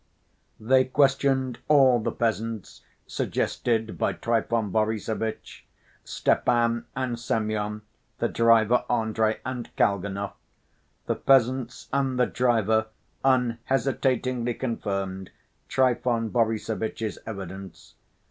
They questioned all the peasants suggested by Trifon Borissovitch, Stepan and Semyon, the driver Andrey, and Kalganov. The peasants and the driver unhesitatingly confirmed Trifon Borissovitch's evidence.